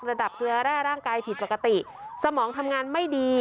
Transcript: เกลือแร่ร่างกายผิดปกติสมองทำงานไม่ดี